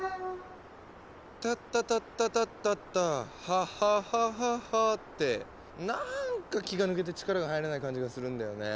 「タッタタッタタタタハハハハハ」ってなんか気が抜けて力が入らない感じがするんだよね。